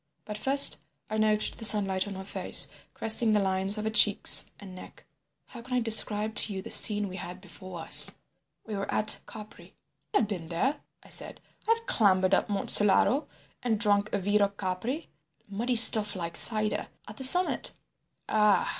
But first I noted the sunlight on her face caressing the lines of her cheeks and neck. How can I describe to you the scene we had before us? We were at Capri—" "I have been there," I said. "I have clambered up Monte Solaro and drunk vero Capri—muddy stuff like cider—at the summit." "Ah!"